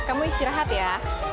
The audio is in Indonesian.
kamu istirahat ya